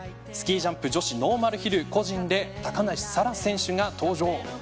スキージャンプ女子ノーマルヒル個人で高梨沙羅選手が登場。